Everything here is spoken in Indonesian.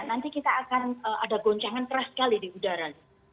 nanti kita akan ada goncangan keras sekali di udara